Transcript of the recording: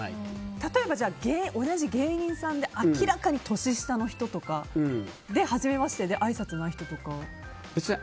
例えば同じ芸人さんで明らかに年下の人ではじめましてであいさつもない人とかは。